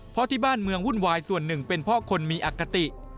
เพราะที่บ้านเมืองวุ่นวายส่วนหนึ่งเป็นเพราะคนมีอคติ